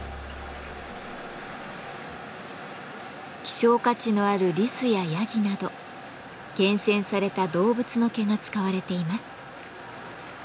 希少価値のあるリスやヤギなど厳選された動物の毛が使われています。